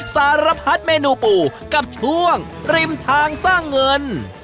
สารพัดเมนูปู่กับช่วงริมทางสร้างเงิน